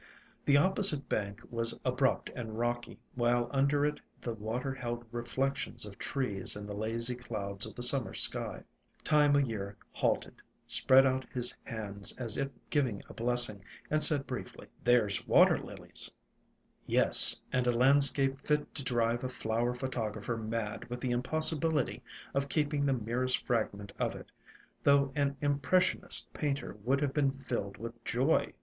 The oppo site bank was abrupt and rocky, while under it the water held reflections of trees and the lazy clouds of the summer sky. Time o' Year halted, spread out his hands as if giving a blessing, and said briefly: ALONG THE WATERWAYS 45 "There 's Water Lilies." Yes, and a landscape fit to drive a flower pho tographer mad with the impossibility of keeping the merest fragment of it, though an impressionist painter would have been filled with joy.